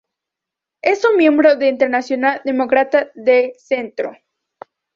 Es un miembro de Internacional Demócrata de Centro.